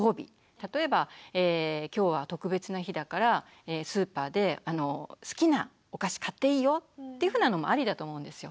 例えば「今日は特別な日だからスーパーで好きなお菓子買っていいよ」っていうふうなのもありだと思うんですよ。